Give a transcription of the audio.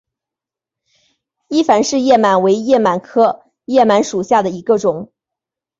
伊凡氏叶螨为叶螨科叶螨属下的一个种。